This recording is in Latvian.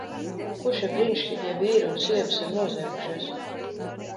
Ko šie brīnišķīgie vīri un sievas ir noziegušies?